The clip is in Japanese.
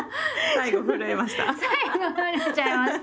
最後震えちゃいました。